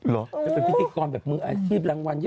รอโอ้โหมีพิธีกรแบบมืออาชีพรางวันเยอะ